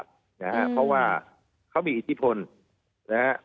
เพราะว่าเขามีอิทธิพลนะฮะ